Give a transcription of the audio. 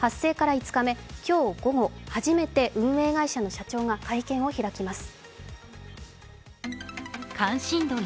発生から５日目、今日午後初めて運営会社の社長が会見を開きます。